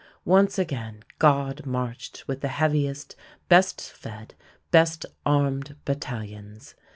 Once again God marched with the heaviest, best fed, best armed battalions.